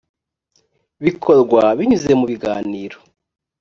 bikorwa binyuze mu biganiro